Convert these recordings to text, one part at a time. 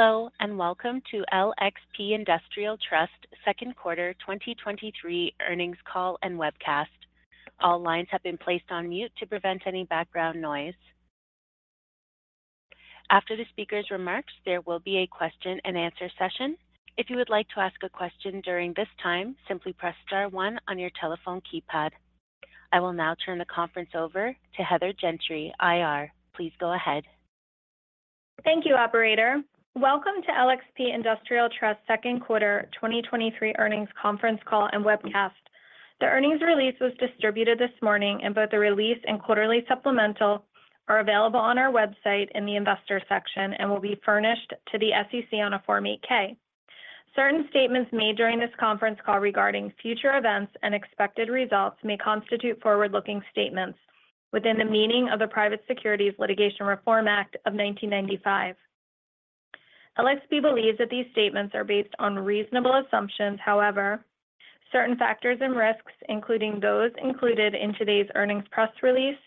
Hello, welcome to LXP Industrial Trust second quarter 2023 earnings call and webcast. All lines have been placed on mute to prevent any background noise. After the speaker's remarks, there will be a question and answer session. If you would like to ask a question during this time, simply press star one on your telephone keypad. I will now turn the conference over to Heather Gentry, IR. Please go ahead. Thank you, operator. Welcome to LXP Industrial Trust second quarter 2023 earnings conference call and webcast. The earnings release was distributed this morning, and both the release and quarterly supplemental are available on our website in the investor section and will be furnished to the SEC on a Form 8-K. Certain statements made during this conference call regarding future events and expected results may constitute forward-looking statements within the meaning of the Private Securities Litigation Reform Act of 1995. LXP believes that these statements are based on reasonable assumptions. However, certain factors and risks, including those included in today's earnings press release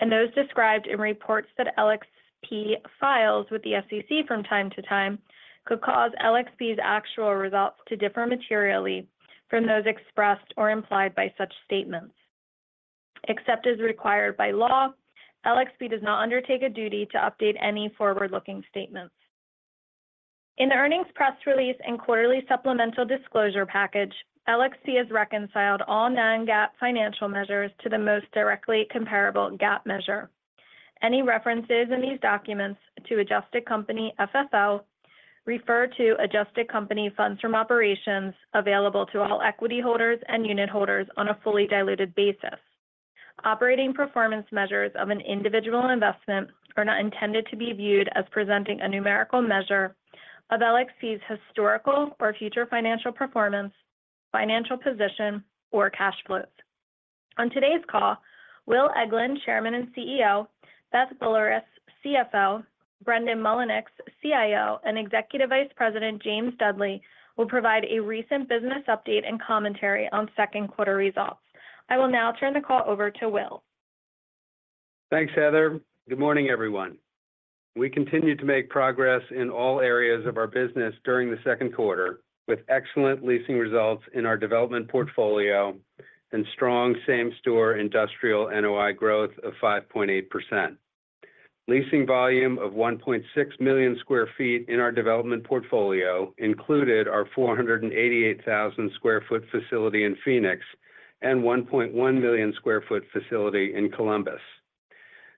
and those described in reports that LXP files with the SEC from time to time, could cause LXP's actual results to differ materially from those expressed or implied by such statements. Except as required by law, LXP does not undertake a duty to update any forward-looking statements. In the earnings press release and quarterly supplemental disclosure package, LXP has reconciled all non-GAAP financial measures to the most directly comparable GAAP measure. Any references in these documents to Adjusted Company FFO refer to Adjusted Company Funds From Operations available to all equity holders and unitholders on a fully diluted basis. Operating performance measures of an individual investment are not intended to be viewed as presenting a numerical measure of LXP's historical or future financial performance, financial position, or cash flows. On today's call, Will Eglin, Chairman and CEO, Beth Boulerice, CFO, Brendan Mullinix, CIO, and Executive Vice President James Dudley will provide a recent business update and commentary on second quarter results. I will now turn the call over to Will. Thanks, Heather. Good morning, everyone. We continued to make progress in all areas of our business during the second quarter, with excellent leasing results in our development portfolio and strong Same-Store Industrial NOI growth of 5.8%. Leasing volume of 1.6 million sq ft in our development portfolio included our 488,000 sq ft facility in Phoenix and 1.1 million sq ft facility in Columbus.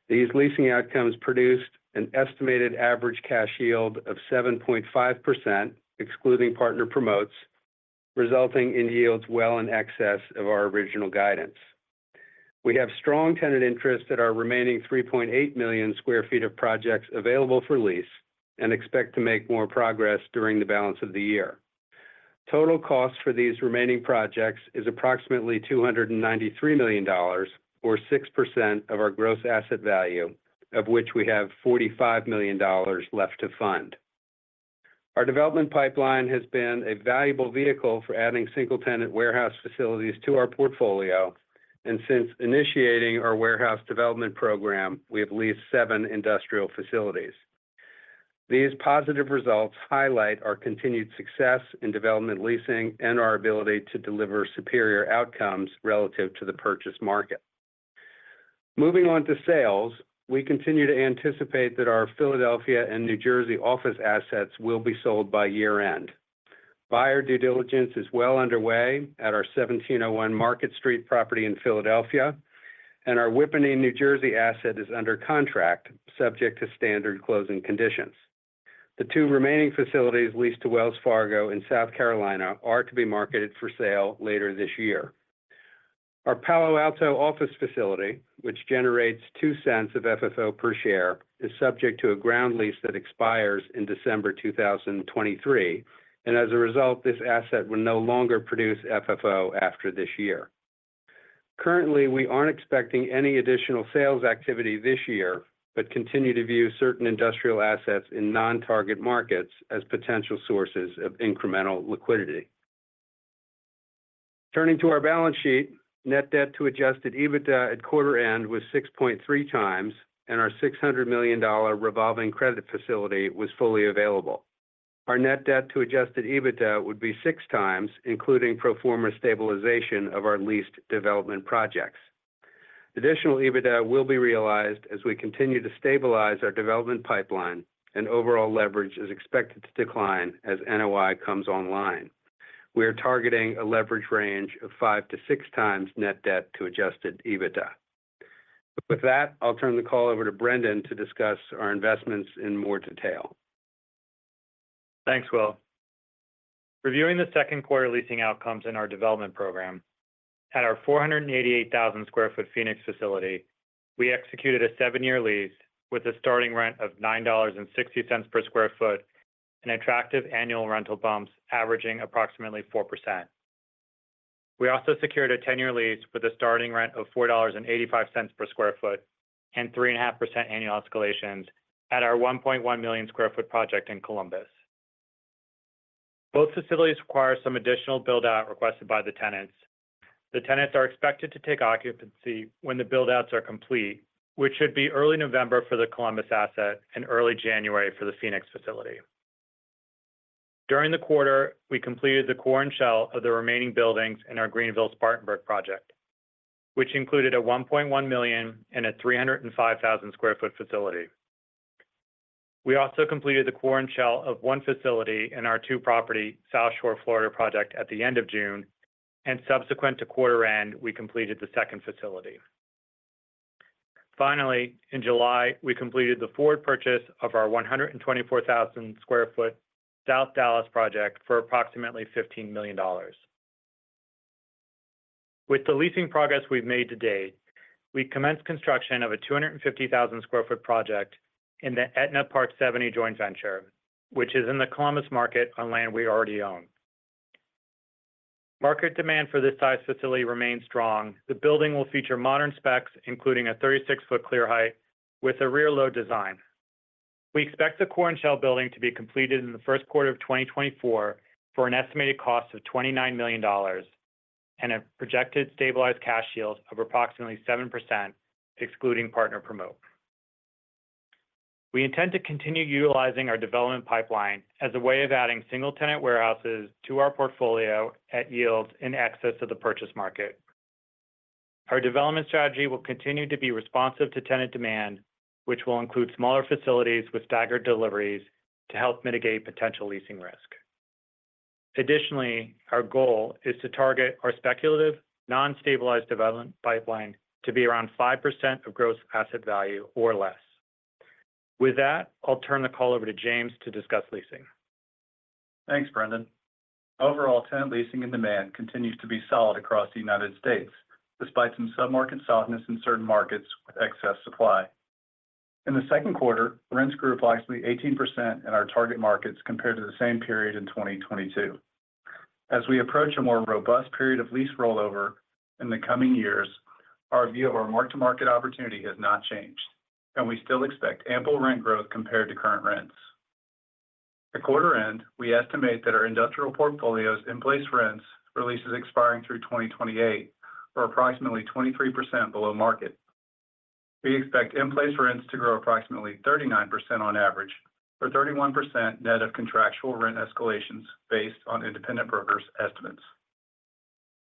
These leasing outcomes produced an estimated average cash yield of 7.5%, excluding partner promotes, resulting in yields well in excess of our original guidance. We have strong tenant interest at our remaining 3.8 million sq ft of projects available for lease and expect to make more progress during the balance of the year. Total cost for these remaining projects is approximately $293 million or 6% of our gross asset value, of which we have $45 million left to fund. Our development pipeline has been a valuable vehicle for adding single-tenant warehouse facilities to our portfolio. Since initiating our warehouse development program, we have leased seven industrial facilities. These positive results highlight our continued success in development leasing and our ability to deliver superior outcomes relative to the purchase market. Moving on to sales, we continue to anticipate that our Philadelphia and New Jersey office assets will be sold by year-end. Buyer due diligence is well underway at our 1701 Market Street property in Philadelphia. Our Whippany, New Jersey, asset is under contract, subject to standard closing conditions. The two remaining facilities leased to Wells Fargo in South Carolina are to be marketed for sale later this year. Our Palo Alto office facility, which generates $0.02 of FFO per share, is subject to a ground lease that expires in December 2023, and as a result, this asset will no longer produce FFO after this year. Currently, we aren't expecting any additional sales activity this year, but continue to view certain industrial assets in non-target markets as potential sources of incremental liquidity. Turning to our balance sheet, net debt to Adjusted EBITDA at quarter end was 6.3x, and our $600 million revolving credit facility was fully available. Our net debt to Adjusted EBITDA would be 6x, including pro forma stabilization of our leased development projects. Additional EBITDA will be realized as we continue to stabilize our development pipeline, and overall leverage is expected to decline as NOI comes online. We are targeting a leverage range of five-six times net debt to Adjusted EBITDA. With that, I'll turn the call over to Brendan to discuss our investments in more detail. Thanks, Will. Reviewing the second quarter leasing outcomes in our development program, at our 488,000 sq ft Phoenix facility, we executed a seven-year lease with a starting rent of $9.60 per square foot and attractive annual rental bumps averaging approximately 4%. We also secured a 10-year lease with a starting rent of $4.85 per square foot and 3.5% annual escalations at our 1.1 million square foot project in Columbus. Both facilities require some additional build-out requested by the tenants. The tenants are expected to take occupancy when the build-outs are complete, which should be early November for the Columbus asset and early January for the Phoenix facility. During the quarter, we completed the core and shell of the remaining buildings in our Greenville Spartanburg project, which included a 1.1 million sq ft and a 305,000 sq ft facility. We also completed the core and shell of one facility in our two-property South Shore, Florida project at the end of June. Subsequent to quarter end, we completed the second facility. Finally, in July, we completed the forward purchase of our 124,000 sq ft South Dallas project for approximately $15 million. With the leasing progress we've made to date, we commenced construction of a 250,000 sq ft project in the Etna Park 70 joint venture, which is in the Columbus market on land we already own. Market demand for this size facility remains strong. The building will feature modern specs, including a 36 ft clear height with a rear load design. We expect the core and shell building to be completed in the first quarter of 2024 for an estimated cost of $29 million, and a projected stabilized cash yield of approximately 7%, excluding partner promote. We intend to continue utilizing our development pipeline as a way of adding single tenant warehouses to our portfolio at yields in excess of the purchase market. Our development strategy will continue to be responsive to tenant demand, which will include smaller facilities with staggered deliveries to help mitigate potential leasing risk. Additionally, our goal is to target our speculative, non-stabilized development pipeline to be around 5% of gross asset value or less. With that, I'll turn the call over to James to discuss leasing. Thanks, Brendan. Overall, tenant leasing and demand continues to be solid across the United States, despite some submarket softness in certain markets with excess supply. In the second quarter, rents grew approximately 18% in our target markets compared to the same period in 2022. As we approach a more robust period of lease rollover in the coming years, our view of our mark-to-market opportunity has not changed, and we still expect ample rent growth compared to current rents. At quarter end, we estimate that our industrial portfolio's in-place rents for leases expiring through 2028 are approximately 23% below market. We expect in-place rents to grow approximately 39% on average, or 31% net of contractual rent escalations based on independent brokers' estimates.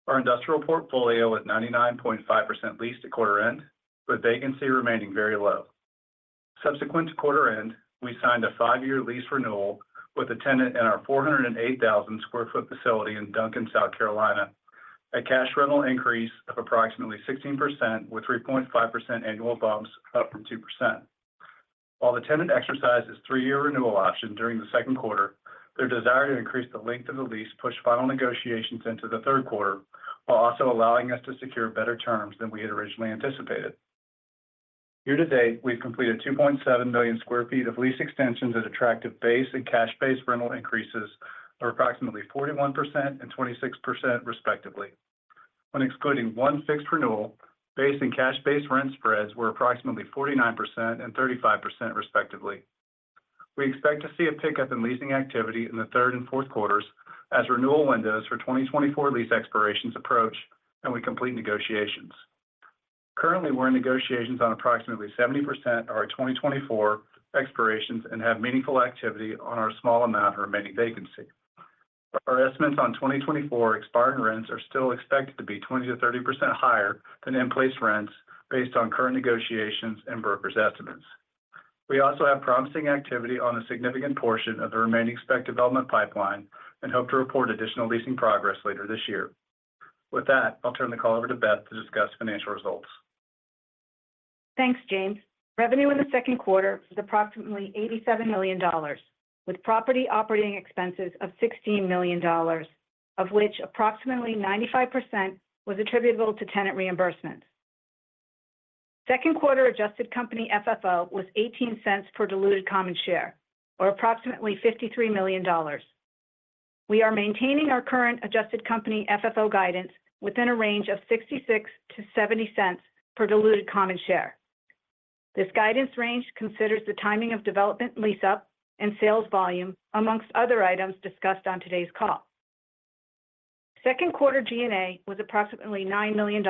Our industrial portfolio at 99.5% leased at quarter end, with vacancy remaining very low. Subsequent to quarter end, we signed a five-year lease renewal with a tenant in our 408,000 sq ft facility in Duncan, South Carolina, a cash rental increase of approximately 16%, with 3.5% annual bumps up from 2%. While the tenant exercised his three-year renewal option during the second quarter, their desire to increase the length of the lease pushed final negotiations into the third quarter, while also allowing us to secure better terms than we had originally anticipated. Year to date, we've completed 2.7 million sq ft of lease extensions at attractive base and cash base rental increases of approximately 41% and 26% respectively. When excluding one fixed renewal, base and cash base rent spreads were approximately 49% and 35% respectively. We expect to see a pickup in leasing activity in the third and fourth quarters as renewal windows for 2024 lease expirations approach, and we complete negotiations. Currently, we're in negotiations on approximately 70% of our 2024 expirations and have meaningful activity on our small amount of remaining vacancy. Our estimates on 2024 expiring rents are still expected to be 20%-30% higher than in-place rents, based on current negotiations and brokers' estimates. We also have promising activity on a significant portion of the remaining spec development pipeline and hope to report additional leasing progress later this year. With that, I'll turn the call over to Beth to discuss financial results. Thanks, James. Revenue in the second quarter was approximately $87 million, with property operating expenses of $16 million, of which approximately 95% was attributable to tenant reimbursements. Second quarter Adjusted Company FFO was $0.18 per diluted common share, or approximately $53 million. We are maintaining our current Adjusted Company FFO guidance within a range of $0.66-$0.70 per diluted common share. This guidance range considers the timing of development lease up and sales volume, amongst other items discussed on today's call. Second quarter G&A was approximately $9 million,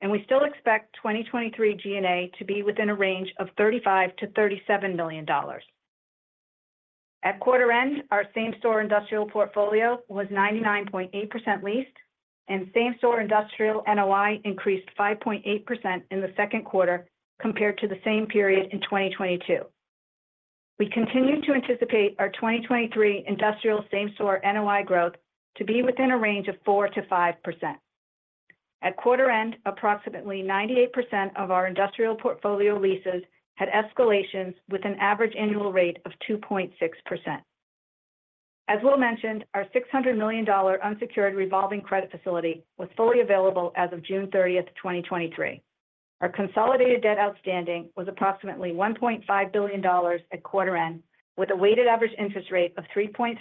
and we still expect 2023 G&A to be within a range of $35 million-$37 million. At quarter end, our Same-Store Industrial portfolio was 99.8% leased, and Same-Store Industrial NOI increased 5.8% in the second quarter compared to the same period in 2022. We continue to anticipate our 2023 industrial same-store NOI growth to be within a range of 4%-5%. At quarter end, approximately 98% of our industrial portfolio leases had escalations with an average annual rate of 2.6%. As Will mentioned, our $600 million unsecured revolving credit facility was fully available as of June 30th, 2023. Our consolidated debt outstanding was approximately $1.5 billion at quarter end, with a weighted average interest rate of 3.3%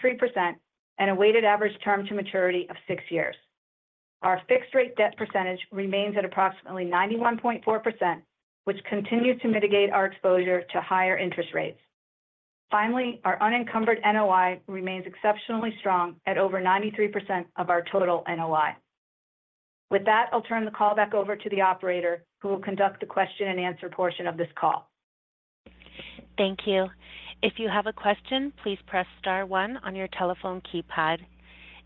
and a weighted average term to maturity of six years. Our fixed rate debt percentage remains at approximately 91.4%, which continues to mitigate our exposure to higher interest rates. Finally, our unencumbered NOI remains exceptionally strong at over 93% of our total NOI. With that, I'll turn the call back over to the operator, who will conduct the question and answer portion of this call. Thank you. If you have a question, please press star one on your telephone keypad.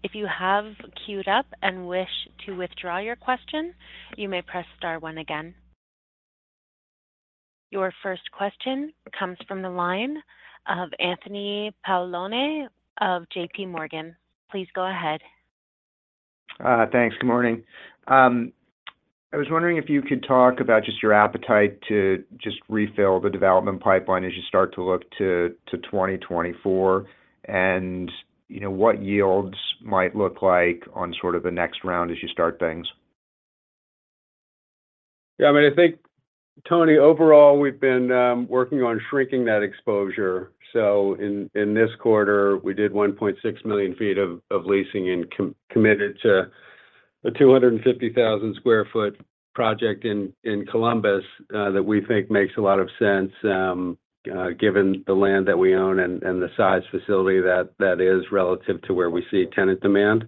If you have queued up and wish to withdraw your question, you may press star one again. Your first question comes from the line of Anthony Paolone of JPMorgan. Please go ahead. Thanks. Good morning. I was wondering if you could talk about just your appetite to just refill the development pipeline as you start to look to 2024, and, you know, what yields might look like on sort of the next round as you start things? Yeah, I mean, I think, Tony, overall, we've been working on shrinking that exposure. In this quarter, we did 1.6 million feet of leasing and committed to a 250,000 sq ft project in Columbus that we think makes a lot of sense given the land that we own and the size facility that is relative to where we see tenant demand.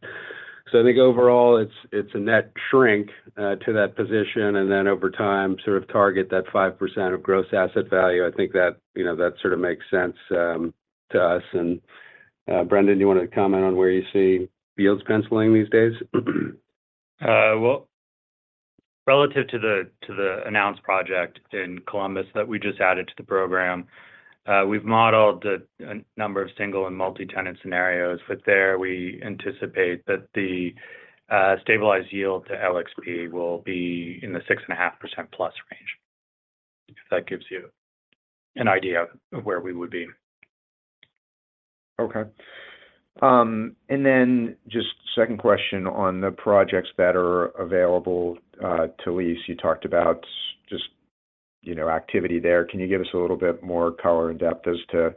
I think overall, it's a net shrink to that position, and then over time, sort of target that 5% of gross asset value. I think that, you know, that sort of makes sense to us. Brendan, do you want to comment on where you see yields penciling these days? Well, relative to the, to the announced project in Columbus that we just added to the program, we've modeled a number of single and multi-tenant scenarios, but there we anticipate that the stabilized yield to LXP will be in the 6.5%+ range, if that gives you an idea of where we would be. Okay. Second question on the projects that are available to lease. You talked about, you know, activity there. Can you give us a little bit more color and depth as to,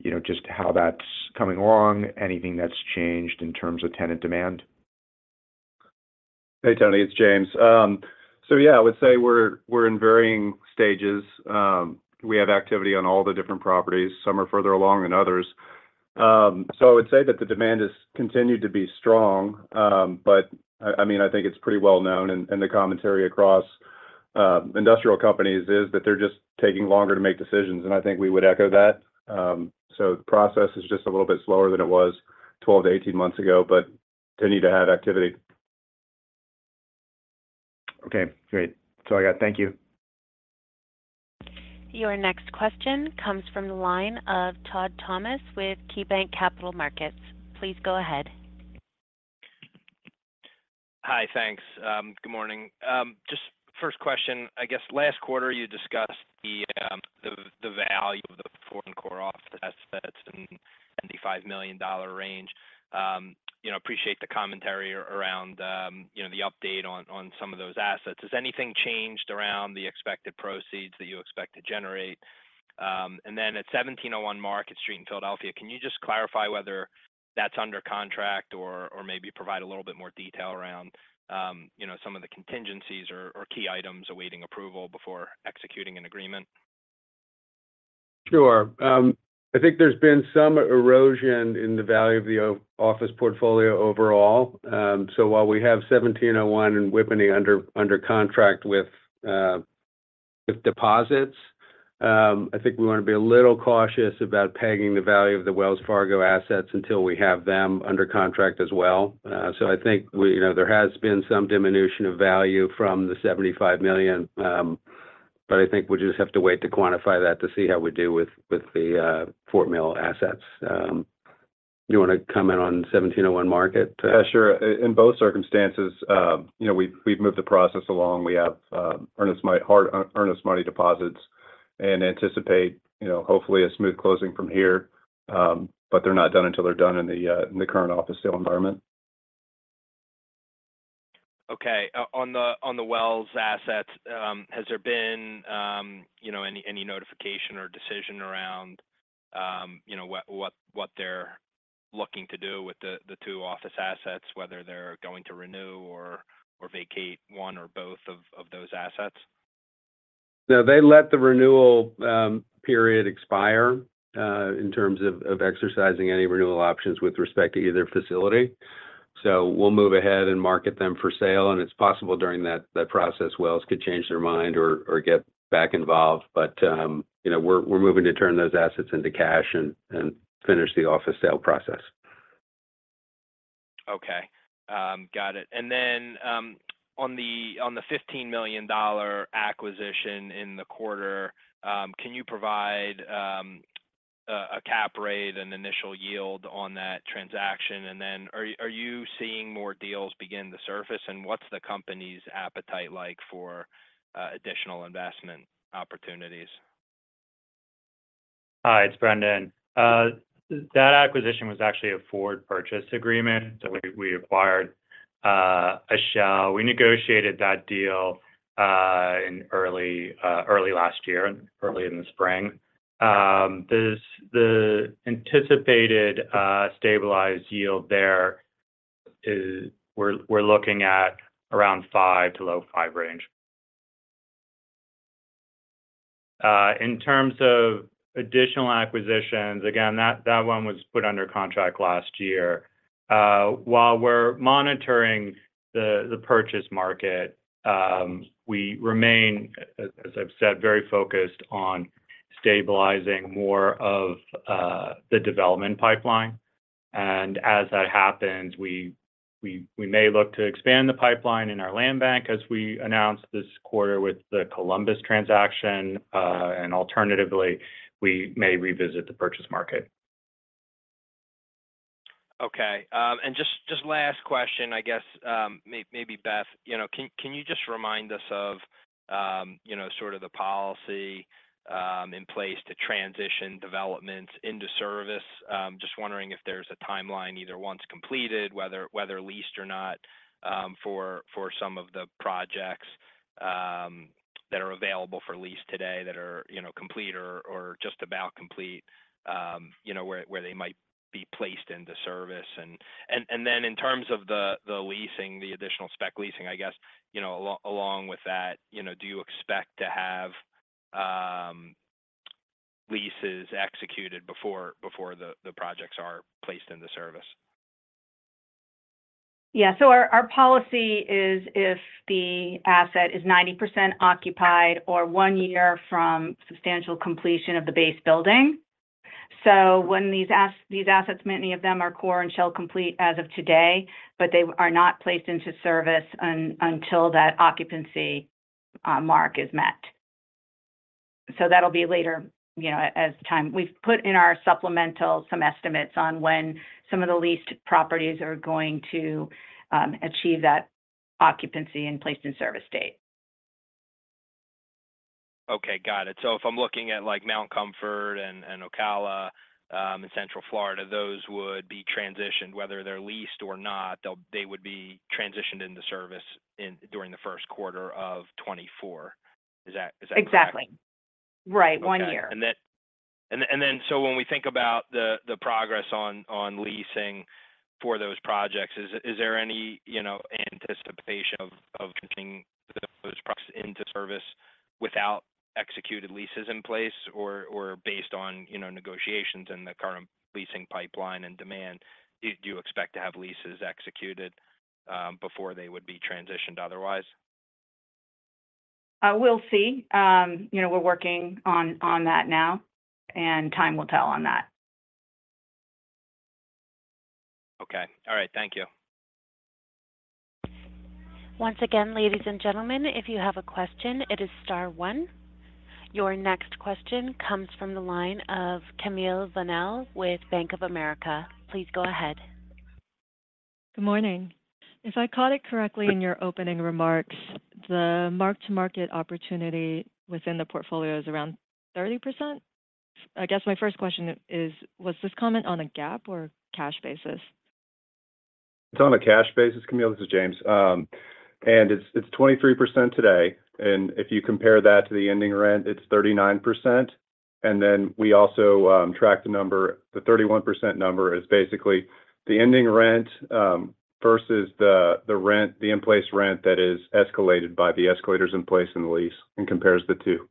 you know, how that's coming along? Anything that's changed in terms of tenant demand? Hey, Tony, it's James. Yeah, I would say we're, we're in varying stages. We have activity on all the different properties. Some are further along than others. I would say that the demand has continued to be strong, but, I, I mean, I think it's pretty well known in, in the commentary across industrial companies, is that they're just taking longer to make decisions, and I think we would echo that. The process is just a little bit slower than it was 12 to 18 months ago, but continue to have activity. Okay, great. That's all I got. Thank you. Your next question comes from the line of Todd Thomas with KeyBanc Capital Markets. Please go ahead. Hi, thanks. Good morning. Just first question, I guess last quarter you discussed the, the value of the foreign core office assets in $75 million range. You know, appreciate the commentary around, you know, the update on, on some of those assets. Has anything changed around the expected proceeds that you expect to generate? At Seventeen oh One Market Street in Philadelphia, can you just clarify whether that's under contract or, or maybe provide a little bit more detail around, you know, some of the contingencies or, or key items awaiting approval before executing an agreement? Sure. I think there's been some erosion in the value of the office portfolio overall. While we have Seventeen oh One and Whippany under, under contract with deposits, I think we want to be a little cautious about pegging the value of the Wells Fargo assets until we have them under contract as well. I think we, you know, there has been some diminution of value from the $75 million, but I think we'll just have to wait to quantify that to see how we do with the Fort Mill assets. You want to comment on Seventeen oh One Market? Sure. In both circumstances, you know, we've, we've moved the process along. We have earnest money, hard earnest money deposits and anticipate, you know, hopefully a smooth closing from here. They're not done until they're done in the current office sale environment. Okay. On the, on the Wells assets, has there been, you know, any, any notification or decision around, you know, what they're looking to do with the 2 office assets, whether they're going to renew or vacate 1 or both of those assets? No, they let the renewal period expire in terms of exercising any renewal options with respect to either facility. We'll move ahead and market them for sale, and it's possible during that, that process, Wells could change their mind or, or get back involved. You know, we're, we're moving to turn those assets into cash and, and finish the office sale process. Okay. Got it. Then on the $15 million acquisition in the quarter, can you provide a cap rate and initial yield on that transaction? Then are you seeing more deals begin to surface, and what's the company's appetite like for additional investment opportunities? Hi, it's Brendan. That acquisition was actually a forward purchase agreement. We, we acquired a shell. We negotiated that deal in early, early last year, early in the spring. This, the anticipated stabilized yield there is we're, we're looking at around 5 to low 5 range. In terms of additional acquisitions, again, that, that one was put under contract last year. While we're monitoring the purchase market, we remain, as I've said, very focused on stabilizing more of the development pipeline. As that happens, we, we, we may look to expand the pipeline in our land bank, as we announced this quarter with the Columbus transaction. Alternatively, we may revisit the purchase market. Okay. Just, just last question, I guess, maybe Beth, you know, can, can you just remind us of, you know, sort of the policy in place to transition development into service? Just wondering if there's a timeline, either once completed, whether, whether leased or not, for, for some of the projects that are available for lease today that are, you know, complete or, or just about complete, you know, where, where they might be placed into service. In terms of the, the leasing, the additional spec leasing, I guess, you know, along with that, you know, do you expect to have leases executed before, before the, the projects are placed into service? Yeah. Our, our policy is if the asset is 90% occupied or 1 year from substantial completion of the base building. When these assets, many of them are core and shell complete as of today, but they are not placed into service until that occupancy mark is met. That'll be later, you know, as time. We've put in our supplemental some estimates on when some of the leased properties are going to achieve that occupancy and placed-in-service date. Okay, got it. So if I'm looking at, like, Mount Comfort and, and Ocala, in Central Florida, those would be transitioned. Whether they're leased or not, they would be transitioned into service in, during the first quarter of 2024. Is that, is that correct? Exactly. Right, one year. Okay. When we think about the progress on leasing for those projects, is there any, you know, anticipation of getting those projects into service without executed leases in place? Based on, you know, negotiations and the current leasing pipeline and demand, do you expect to have leases executed before they would be transitioned otherwise? We'll see. You know, we're working on, on that now, time will tell on that. Okay. All right. Thank you. Once again, ladies and gentlemen, if you have a question, it is star one. Your next question comes from the line of Camille Bonnel with Bank of America. Please go ahead. Good morning. If I caught it correctly in your opening remarks, the mark-to-market opportunity within the portfolio is around 30%? I guess my first question is, was this comment on a GAAP or cash basis? It's on a cash basis, Camille. This is James. It's 23% today, and if you compare that to the ending rent, it's 39%. Then we also track the number. The 31% number is basically the ending rent, versus the rent, the in-place rent that is escalated by the escalators in place in the lease and compares the two.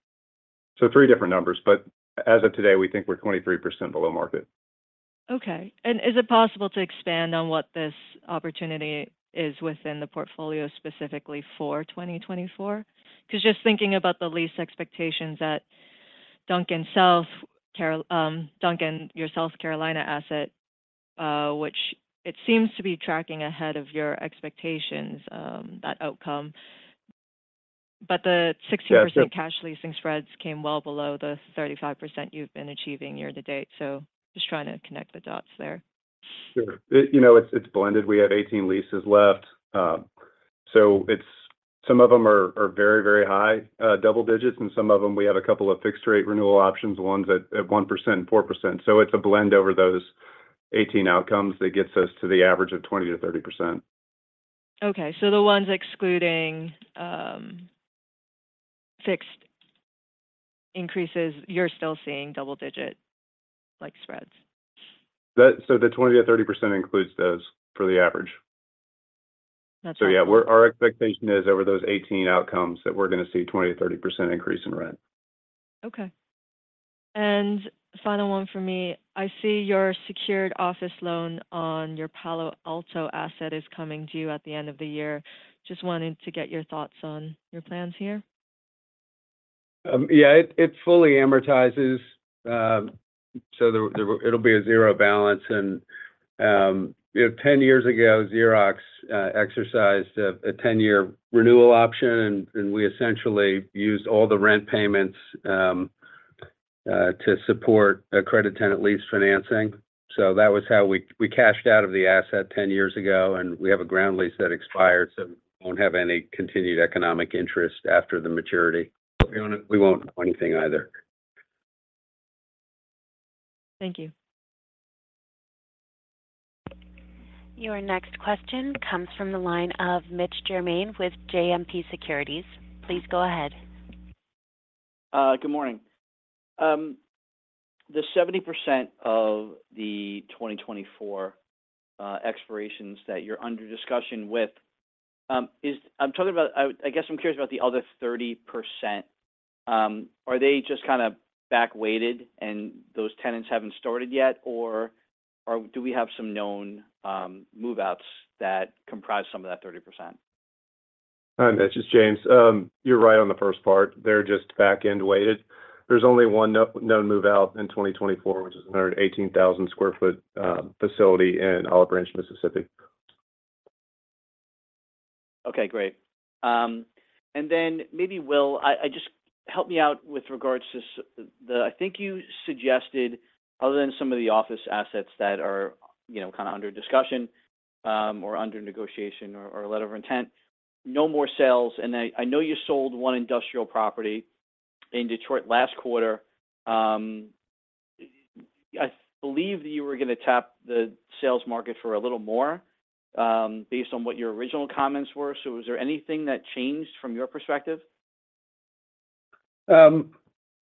Three different numbers, but as of today, we think we're 23% below market. Okay. Is it possible to expand on what this opportunity is within the portfolio, specifically for 2024? Just thinking about the lease expectations at Duncan, your South Carolina asset, which it seems to be tracking ahead of your expectations, that outcome. The sixteen- Yeah. % cash leasing spreads came well below the 35% you've been achieving year to date. Just trying to connect the dots there. Sure. It, you know, it's, it's blended. We have 18 leases left. So some of them are, are very, very high, double digits, and some of them, we have a couple of fixed-rate renewal options, ones at, at 1% and 4%. So it's a blend over those 18 outcomes that gets us to the average of 20%-30%. Okay. The ones excluding fixed increases, you're still seeing double-digit, like, spreads. The 20%-30% includes those for the average. Gotcha. Yeah, our, our expectation is over those 18 outcomes, that we're going to see 20%-30% increase in rent. Okay. Final one for me. I see your secured office loan on your Palo Alto asset is coming due at the end of the year. Just wanting to get your thoughts on your plans here. Yeah, it, it fully amortizes. It'll be a zero balance. You know, 10 years ago, Xerox exercised a 10-year renewal option, and we essentially used all the rent payments to support a credit tenant lease financing. That was how we, we cashed out of the asset 10 years ago, and we have a ground lease that expires, so won't have any continued economic interest after the maturity. We won't, we won't owe anything either. Thank you. Your next question comes from the line of Mitch Germain with JMP Securities. Please go ahead. Good morning. The 70% of the 2024 expirations that you're under discussion with is, I'm talking about, I guess I'm curious about the other 30%. Are they just kind of back weighted, and those tenants haven't started yet? Do we have some known move-outs that comprise some of that 30%? Hi, Mitch, it's James. You're right on the first part. They're just back-end weighted. There's only 1 known move-out in 2024, which is an 18,000 sq ft facility in Olive Branch, Mississippi. Okay, great. Maybe, Will, I, I, Just help me out with regards to the, I think you suggested, other than some of the office assets that are, you know, kind of under discussion, or under negotiation or, or a letter of intent, no more sales. I, I know you sold one industrial property in Detroit last quarter. I believe that you were gonna tap the sales market for a little more, based on what your original comments were. Was there anything that changed from your perspective?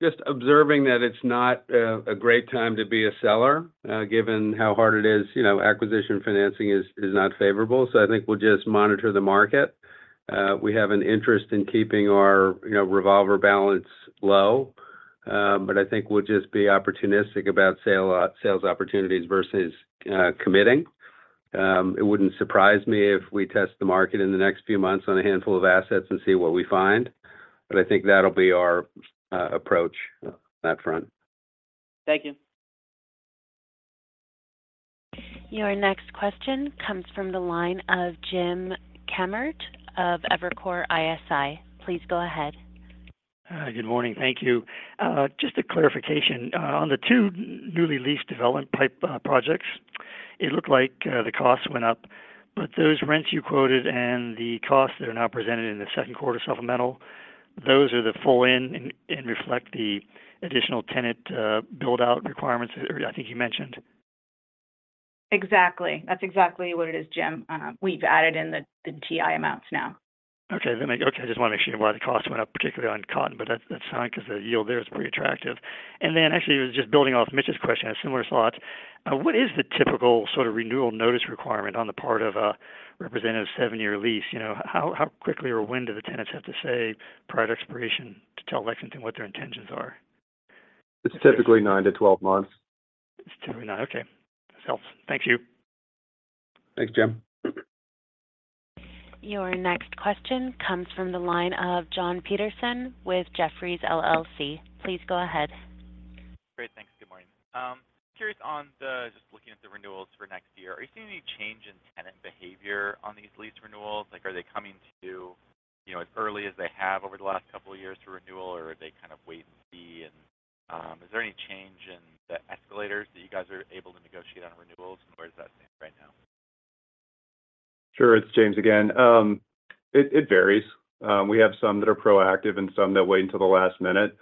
Just observing that it's not a, a great time to be a seller, given how hard it is, you know, acquisition financing is, is not favorable. I think we'll just monitor the market. We have an interest in keeping our, you know, revolver balance low. I think we'll just be opportunistic about sale, sales opportunities versus, committing. It wouldn't surprise me if we test the market in the next few months on a handful of assets and see what we find, but I think that'll be our approach on that front. Thank you. Your next question comes from the line of James Kammert of Evercore ISI. Please go ahead. Hi. Good morning. Thank you. Just a clarification on the 2 newly leased development pipe projects. It looked like the costs went up, but those rents you quoted and the costs that are now presented in the second quarter supplemental, those are the full in and reflect the additional tenant build-out requirements that I think you mentioned. Exactly. That's exactly what it is, Jim. We've added in the, the TI amounts now. Okay, okay, I just wanna make sure why the costs went up, particularly on Cotton, but that's, that's fine because the yield there is pretty attractive. Actually, it was just building off Mitch's question. I had similar thoughts. What is the typical sort of renewal notice requirement on the part of a representative 7-year lease? You know, how, how quickly or when do the tenants have to say, prior to expiration, to tell Lexington what their intentions are? It's typically nine-12 months. It's typically nine. Okay, this helps. Thank you. Thanks, Jim. Your next question comes from the line of Jonathan Petersen with Jefferies LLC. Please go ahead. Great. Thanks. Good morning. Curious. Just looking at the renewals for next year, are you seeing any change in tenant behavior on these lease renewals? Like, are they coming to you, you know, as early as they have over the last couple of years for renewal, or are they kind of wait and see? Is there any change in the escalators that you guys are able to negotiate on renewals, and where does that stand right now? Sure. It's James again. It, it varies. We have some that are proactive and some that wait until the last minute.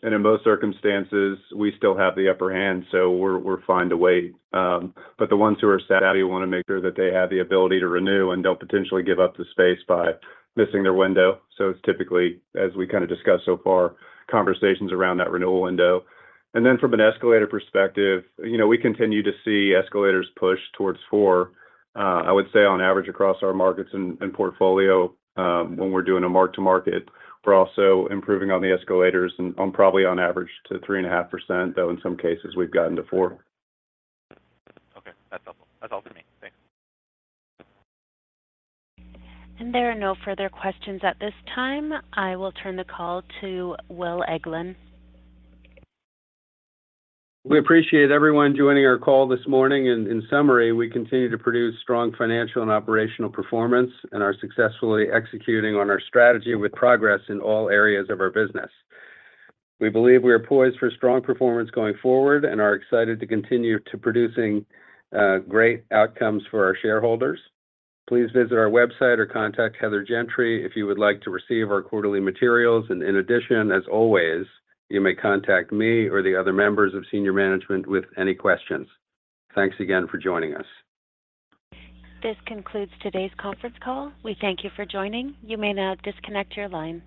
In most circumstances, we still have the upper hand, so we're, we're fine to wait. The ones who are set out, we wanna make sure that they have the ability to renew, and don't potentially give up the space by missing their window. It's typically, as we kind of discussed so far, conversations around that renewal window. From an escalator perspective, you know, we continue to see escalators push towards 4%. I would say on average, across our markets and, and portfolio, when we're doing a mark-to-market, we're also improving on the escalators and on probably on average to 3.5%, though in some cases we've gotten to 4%. Okay. That's helpful. That's all for me. Thanks. There are no further questions at this time. I will turn the call to Will Eglin. We appreciate everyone joining our call this morning. In summary, we continue to produce strong financial and operational performance and are successfully executing on our strategy with progress in all areas of our business. We believe we are poised for strong performance going forward and are excited to continue to producing great outcomes for our shareholders. Please visit our website or contact Heather Gentry if you would like to receive our quarterly materials. In addition, as always, you may contact me or the other members of senior management with any questions. Thanks again for joining us. This concludes today's conference call. We thank you for joining. You may now disconnect your line.